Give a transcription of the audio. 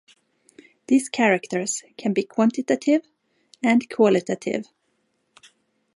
These characters can be quantitative and qualitative.